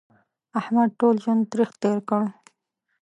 احمد ټول ژوند تریخ تېر کړ.